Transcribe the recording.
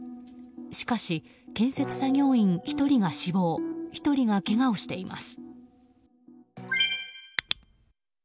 しかし、建設作業員１人が死亡１人がけがをしています。